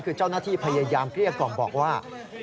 คือเจ้าหน้าที่พยายามเกลี้ยกล่อมบอกว่า